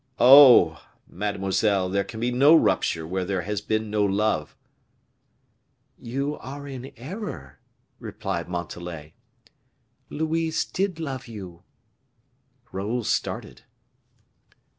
"Oh! mademoiselle, there can be no rupture where there has been no love." "You are in error," replied Montalais; "Louise did love you." Raoul started.